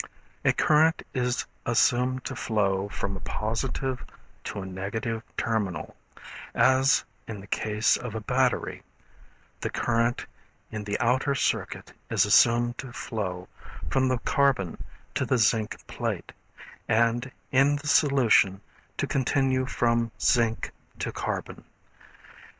A current is assumed to flow from a positive to a negative terminal; as in the case of a battery, the current in the outer circuit is assumed to flow from the carbon to the zinc plate, and in the solution to continue from zinc to carbon.